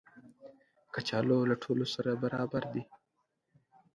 کچالو له ټولو سره برابر دي